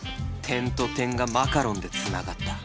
点と点がマカロンで繋がった